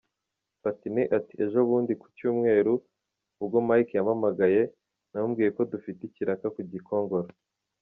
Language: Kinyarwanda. Platini ati: “Ejobundi kucyumweru ubwo Mike yampamagaye, namubwiye ko dufite ikiraka ku Gikongoro.